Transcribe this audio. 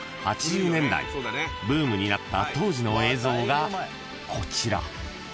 ［ブームになった当時の映像がこちら］